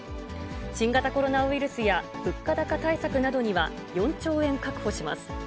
新型コロナウイルスや物価高対策などには４兆円確保します。